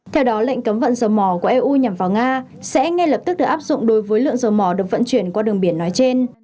theo đó lệnh cấm vận dầu mỏ của eu nhằm vào nga sẽ ngay lập tức được áp dụng đối với lượng dầu mỏ được vận chuyển qua đường biển nói trên